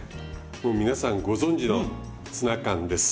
もう皆さんご存知のツナ缶です。